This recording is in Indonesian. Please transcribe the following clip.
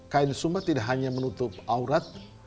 kain sumba tidak hanya menutup aurat